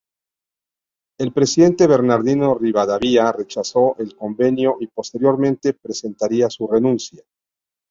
El presidente Bernardino Rivadavia rechazó el convenio y posteriormente presentaría su renuncia.